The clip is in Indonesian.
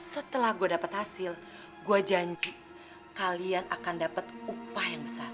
setelah gue dapat hasil gue janji kalian akan dapat upah yang besar